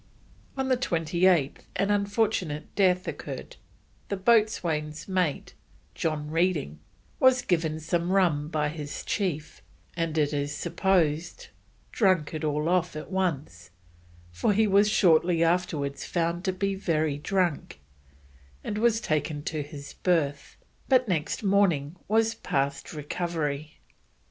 On the 28th an unfortunate death occurred; the boatswain's mate, John Reading, was given some rum by his chief, and it is supposed drunk it off at once, for he was shortly afterwards found to be very drunk, and was taken to his berth, but next morning was past recovery.